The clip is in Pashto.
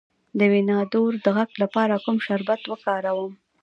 د وینادرو د غږ لپاره کوم شربت وکاروم؟